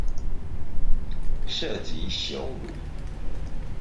涉及羞辱